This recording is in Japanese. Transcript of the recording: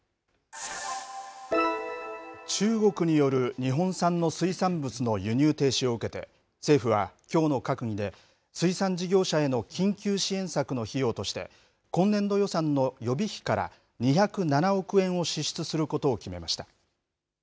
中国による日本産の水産物の輸入停止を受けて、政府はきょうの閣議で、水産事業者への緊急支援策の費用として、今年度予算の予備費から２０７億円を支出することを決めました。